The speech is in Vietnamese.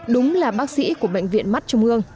đúng là bác sĩ của bệnh viện mắt trung ương